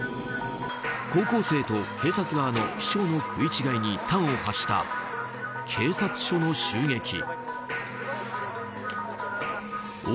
高校生と警察側の主張の食い違いに端を発した警察署の襲撃。